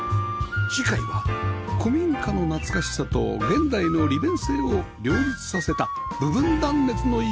次回は古民家の懐かしさと現代の利便性を両立させた部分断熱の家